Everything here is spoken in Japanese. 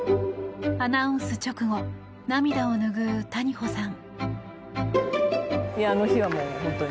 アナウンス直後涙を拭う谷保さん。